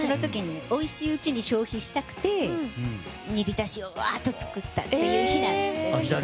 おいしいうちに消費したくて、煮びたしをわーっと作ったっていう日が。